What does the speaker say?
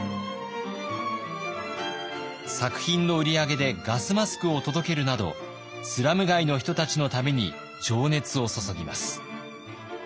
作品の売り上げでガスマスクを届けるなどスラム街の人たちのために情熱を注ぎます。